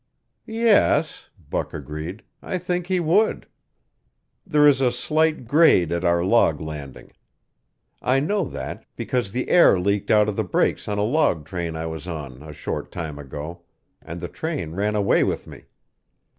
"Yes," Buck agreed, "I think he would." "There is a slight grade at our log landing. I know that, because the air leaked out of the brakes on a log train I was on a short time ago, and the train ran away with me.